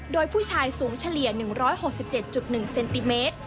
โดยผู้ชายสูงเฉลี่ย๑๖๗๑เซนติเมตร